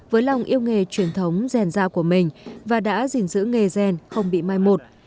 với lòng yêu nghề truyền thống rèn dao của mình và đã gìn giữ nghề rèn không bị mai một